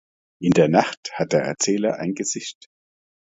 In der Nacht hat er der Erzähler ein „Gesicht“.